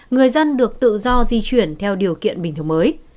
người dân được tự do di chuyển theo điều kiện bình thường mới